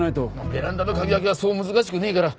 ベランダの鍵開けはそう難しくねえから。